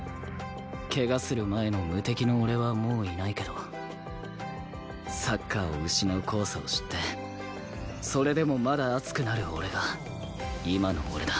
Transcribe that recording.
怪我する前の無敵の俺はもういないけどサッカーを失う怖さを知ってそれでもまだ熱くなる俺が今の俺だ。